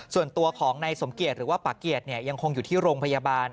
ส่วนตัวของนายสมเกียจหรือว่าปะเกียจยังคงอยู่ที่โรงพยาบาล